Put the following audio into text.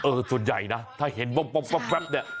เออส่วนใหญ่นะถ้าเห็นปุ๊บแป๊บเนี่ย